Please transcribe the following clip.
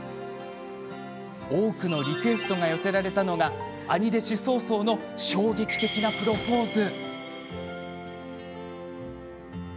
多くのリクエストが寄せられたのが兄弟子・草々の衝撃的なプロポーズ。